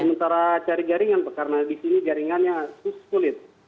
sementara cari jaringan karena di sini jaringannya sus kulit